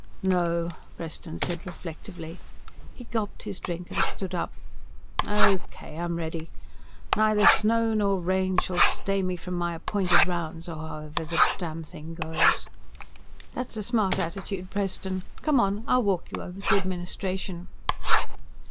"No," Preston said reflectively. He gulped his drink and stood up. "Okay. I'm ready. Neither snow nor rain shall stay me from my appointed rounds, or however the damned thing goes." "That's a smart attitude, Preston. Come on I'll walk you over to Administration."